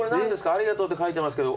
「ありがとう」って書いてますけど。